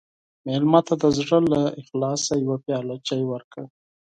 مېلمه ته د زړه له اخلاصه یوه پیاله چای ورکړه.